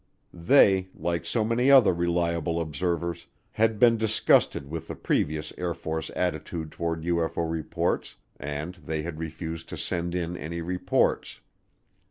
They, like so many other reliable observers, had been disgusted with the previous Air Force attitude toward UFO reports, and they had refused to send in any reports.